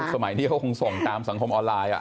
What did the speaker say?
ก็ยุคสมัยนี้ตามสังคมออนไลน์